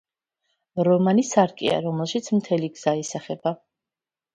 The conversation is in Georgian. რომანი სარკეა, რომელშიც მთელი გზა ისახება